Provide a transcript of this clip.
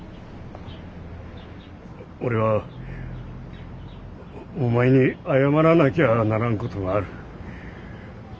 俺はお前に謝らなきゃならんことがある。